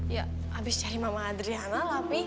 ya abis cari mama adriana lah pi